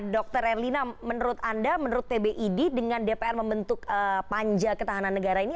dr erlina menurut anda menurut pbid dengan dpr membentuk panja ketahanan negara ini